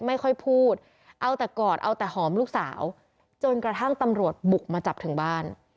ไม่ค่อยพูดเอาแต่กอดเอาแต่หอมลูกสาวจนกระทั่งตำรวจบุกมาจับถึงบ้าน